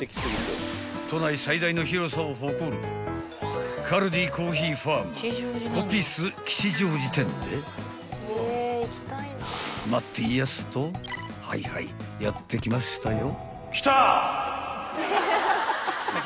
［都内最大の広さを誇るカルディコーヒーファームコピス吉祥寺店で待っていやすとはいはいやって来ましたよ］